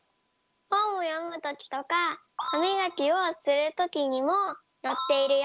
ほんをよむときとかはみがきをするときにものっているよ。